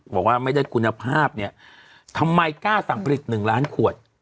บอกว่าไม่ได้คุณภาพเนี่ยทำไมกล้าสั่งผลิต๑ล้านขวด